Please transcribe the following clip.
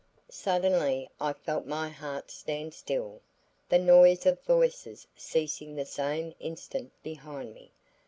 Suddenly I felt my heart stand still, the noise of voices ceasing the same instant behind me.